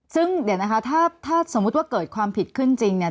ซึ่งเดี๋ยวนะคะถ้าสมมุติว่าเกิดความผิดขึ้นจริงเนี่ย